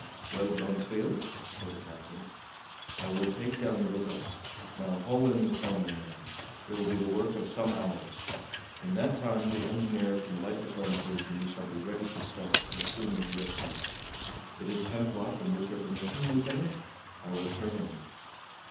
"Well, Bronsfield," said the captain, "I will take down the result. Now haul in the sounding line. It will be the work of some hours. In that time the engineer can light the furnaces, and we shall be ready to start as soon as you have finished. It is ten o'clock, and with your permission, lieutenant, I will turn in."